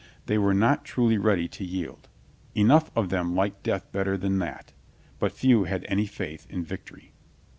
They were not truly ready to yield. Enough of them liked death better than that. But few had any faith in victory.